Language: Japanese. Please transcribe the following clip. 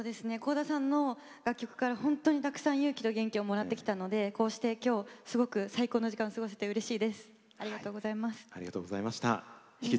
倖田さんの楽曲から本当にたくさん、勇気と元気をもらってきたので、今日はすごく最高の時間を過ごせてうれしいです。